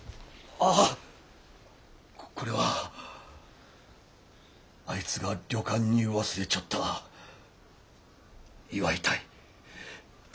ああこれはあいつが旅館に忘れちょった祝いたい。